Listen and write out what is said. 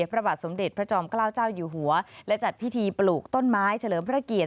พระบาทสมเด็จพระจอมเกล้าเจ้าอยู่หัวและจัดพิธีปลูกต้นไม้เฉลิมพระเกียรติ